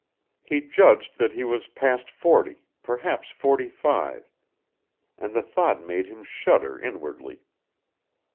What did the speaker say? He judged that he was past forty, perhaps forty five, and the thought made him shudder inwardly.